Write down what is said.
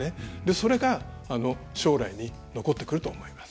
それが、将来に残ってくると思います。